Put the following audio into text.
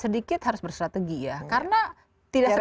sedikit harus bersrategi ya karena tidak